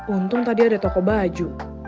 untung tadi ada toko baju